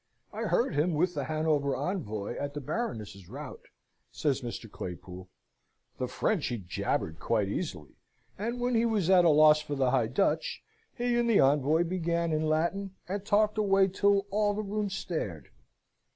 I heard him with the Hanover Envoy, at the Baroness's rout," says Mr. Claypool. "The French he jabbered quite easy: and when he was at a loss for the High Dutch, he and the Envoy began in Latin, and talked away till all the room stared."